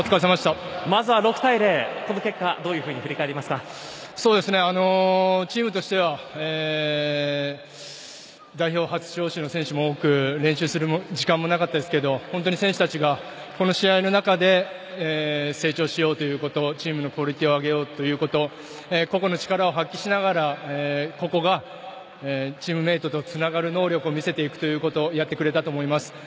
まずは６対０この結果、どういうふうにチームとしては代表初招集の選手も多く練習する時間もなかったですが本当に選手たちがこの試合の中で成長しようということチームのクオリティーを上げようということ個々の力を発揮しながらここがチームメートとつながる能力を見せていくということをやってくれたと思います。